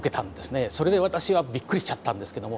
それで私はびっくりしちゃったんですけども。